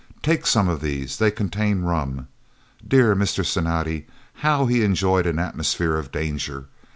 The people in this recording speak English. Take some of these, they contain rum." Dear Mr. Cinatti, how he enjoyed an atmosphere of danger!